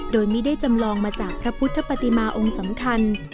โดยไม่ได้จำลองมาจากพระพุทธปฏิมาองค์สำคัญ